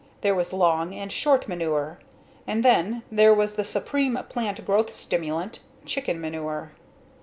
There was "long" and "short" manure, and then, there was the supreme plant growth stimulant, chicken manure.